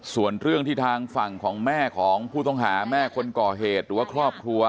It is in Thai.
ส่วนเรื่องที่ทางฝั่งของแม่ของผู้ต้องหาแม่คนก่อเหตุหรือว่าครอบครัว